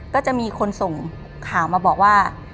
ก็จะมีคนส่งข่าวมาบอกว่า